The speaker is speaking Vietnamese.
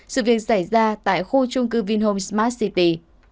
sự việc xảy ra tại khu chung cư vinhome smart city